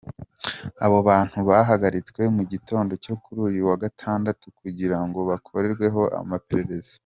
Abo bantu bahagaritswe mu gitondo cyo kuri uyu wa gatandatu kugira ngo bakorweho amaperereza.